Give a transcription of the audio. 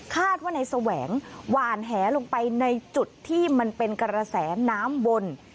คาดว่าในแสวงหวานแหลงไปในจุดที่มันเป็นกระแสน้ำวน